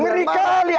ya aku bilang